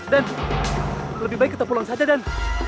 dan lebih baik kita pulang saja dan